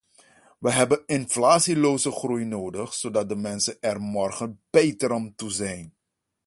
We hebben inflatieloze groei nodig, zodat de mensen er morgen beter aan toe zijn.